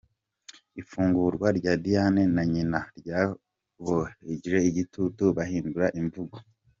Ifungurwa rya Diane na nyina ryabokeje igitutu bahindura imvugo